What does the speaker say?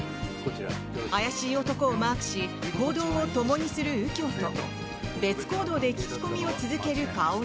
怪しい男をマークし行動をともにする右京と別行動で聞き込みを続ける薫。